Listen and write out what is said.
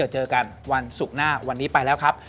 เจอกันวันศุกร์หน้าวันนี้ไปแล้วครับ